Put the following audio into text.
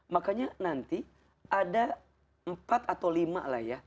makanya nanti ada empat atau lima lah ya